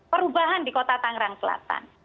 perubahan di kota tangerang selatan